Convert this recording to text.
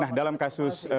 nah dalam kasus